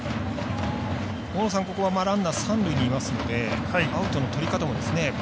大野さん、ここはランナー三塁にいますのでアウトのとり方も。